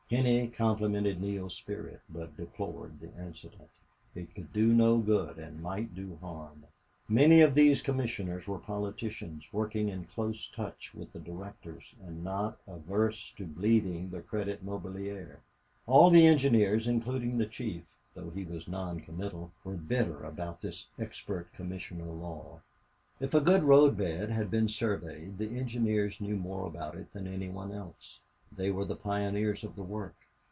Henney complimented Neale's spirit, but deplored the incident. It could do no good and might do harm. Many of these commissioners were politicians, working in close touch with the directors, and not averse to bleeding the Credit Mobilier. All the engineers, including the chief, though he was noncommittal, were bitter about this expert commissioner law. If a good road bed had been surveyed, the engineers knew more about it than any one else. They were the pioneers of the work.